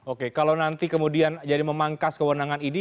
oke kalau nanti kemudian jadi memangkas kewenangan idi